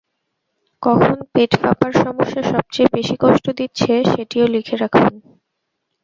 কখন পেট ফাঁপার সমস্যা সবচেয়ে বেশি কষ্ট দিচ্ছে সেটিও লিখে রাখুন।